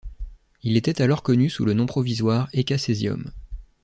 Il était alors connu sous le nom provisoire eka-césium.